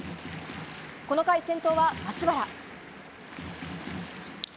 この回、先頭は松原。